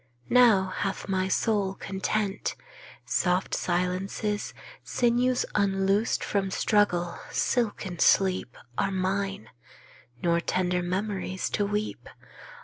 Now hath my soul content. Soft silences, Sinews unloosed from struggle, silken sleep, 27 Are mine; nor tender memories to weep.